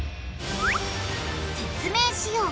説明しよう。